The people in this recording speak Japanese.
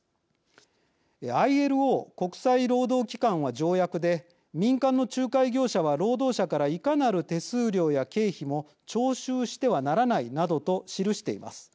ＩＬＯ＝国際労働機関は条約で民間の仲介業者は労働者からいかなる手数料や経費も徴収してはならないなどと記しています。